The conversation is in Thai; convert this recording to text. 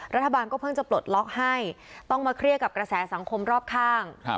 รัฐบาลก็เพิ่งจะปลดล็อกให้ต้องมาเครียดกับกระแสสังคมรอบข้าง